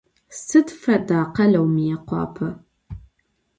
Sıd feda khaleu Mıêkhuape?